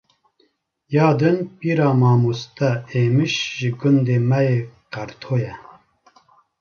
Ya din pîra mamoste Êmiş ji gundê me yê Qerto ye